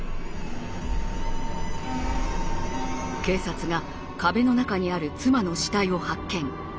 警察が壁の中にある妻の死体を発見。